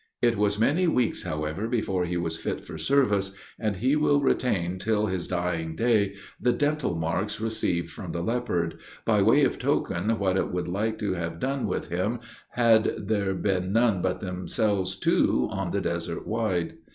It was many weeks, however, before he was fit for service, and he will retain till his dying day the dental marks received from the leopard, by way of token what it would like to have done with him had there been none but themselves two on the desert wide.